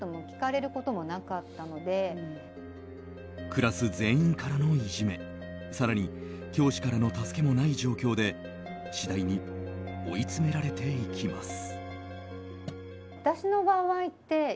クラス全員からのいじめ更に教師からの助けもない状況で次第に追い詰められていきます。